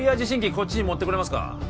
こっちに持ってこれますか？